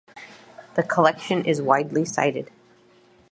The collection is widely cited.